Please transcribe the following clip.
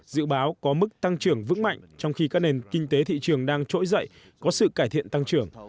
dự báo có mức tăng trưởng vững mạnh trong khi các nền kinh tế thị trường đang trỗi dậy có sự cải thiện tăng trưởng